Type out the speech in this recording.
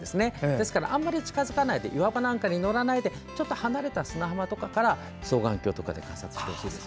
ですから、あまり近づかないで岩場なんかに乗らないでちょっと離れた砂浜とかから双眼鏡で観察してほしいです。